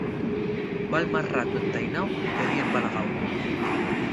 Val más ratu entaináu que día embalagáu.